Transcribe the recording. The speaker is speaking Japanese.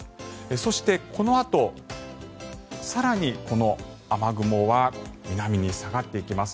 そして、このあと更に、この雨雲は南に下がっていきます。